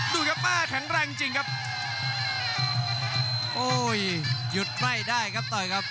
ดูครับป้าแข็งแรงจริงจริงครับโอ้ยหยุดไม่ได้ครับต่อยครับ